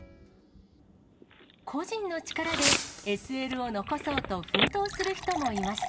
個人の力で、ＳＬを残そうと、奮闘する人もいます。